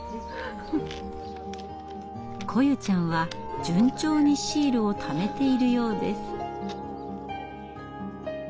來夢ちゃんは順調にシールをためているようです。